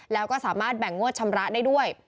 แล้วก็สามารถแบ่งงวดชำระได้ด้วย